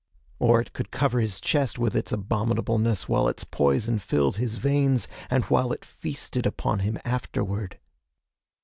Or it could cover his chest with its abominableness while its poison filled his veins, and while it feasted upon him afterward....